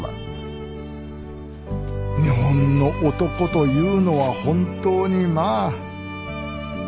日本の男というのは本当にまあ。